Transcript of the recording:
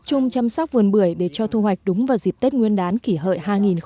tập trung chăm sóc vườn bưởi để cho thu hoạch đúng vào dịp tết nguyên đán kỷ hợi hai nghìn một mươi chín